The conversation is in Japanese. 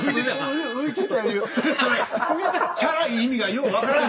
浮いてたよりチャラい意味がよう分からん。